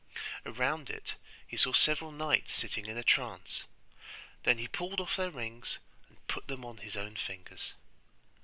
Around it he saw several knights sitting in a trance; then he pulled off their rings and put them on his own fingers.